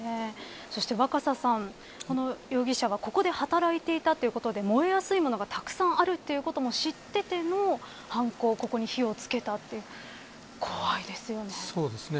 若狭さん、この容疑者がここで働いていたということで燃えやすいものがたくさんあるということも知っていての犯行、ここに火をつけたという怖いですよね。